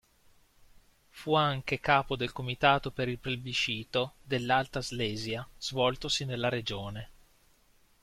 Fu anche capo del comitato per il Plebiscito dell'Alta Slesia svoltosi nella regione.